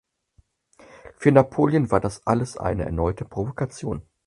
Für Napoleon war das alles eine erneute Provokation.